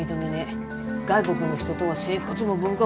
外国の人とは生活も文化も違う。